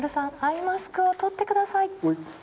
アイマスクを取ってください。